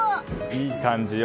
いい感じよ。